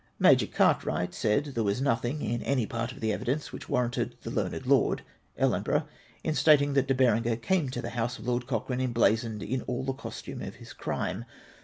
IMajor Cartwright said there was nothing in any part of the evidence which warranted the learned lord (Ellenborough ) in stating that De Berenger came to the house of Lord Coch rane emblazoned in all the costume of his crime.